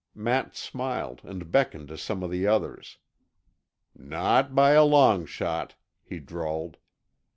Matt smiled and beckoned to some of the others. "Not by a long shot!" he drawled.